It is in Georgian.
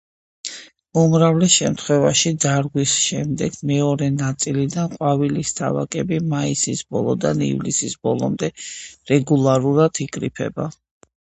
უმრავლეს შემთხვევაში დარგვის შემდეგ მეორე წლიდან ყვავილის თავაკები მაისის ბოლოდან ივლისის ბოლომდე რეგულარულად იკრიფება.